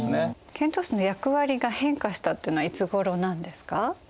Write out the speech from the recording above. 遣唐使の役割が変化したっていうのはいつごろなんですか？